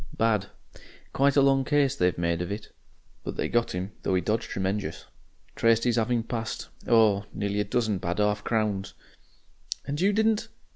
Bad. Quite a long case they made of it. But they got 'im, though he dodged tremenjous. Traced 'is 'aving passed, oh! nearly a dozen bad 'arf crowns." "And you didn't